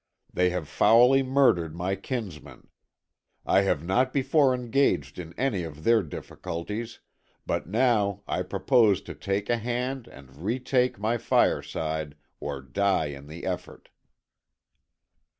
They have foully murdered my kinsmen. I have not before engaged in any of their difficulties but now I propose to take a hand and retake my fireside or die in the effort."